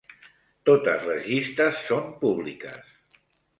Totes les llistes són públiques.